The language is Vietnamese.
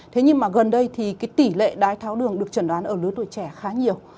thế nhưng mà gần đây thì cái tỷ lệ đái tháo đường được chẩn đoán ở lứa tuổi trẻ khá nhiều